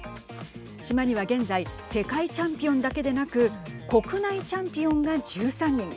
島には現在世界チャンピオンだけでなく国内チャンピオンが１３人。